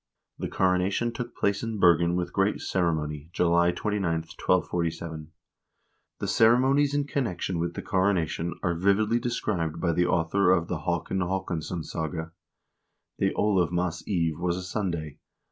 The coronation took place in Bergen with great ceremony July 29, 1247.2 The cere monies in connection with the coronation are vividly described by the author of the "Haakon Haakonssonssaga" : "The Olavmas eve was a Sunday.